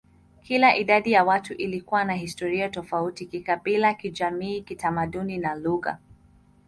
Kila idadi ya watu ilikuwa na historia tofauti kikabila, kijamii, kitamaduni, na lugha.